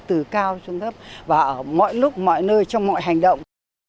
từ cao xuống thấp và ở mọi lúc mọi nơi trong mọi hành động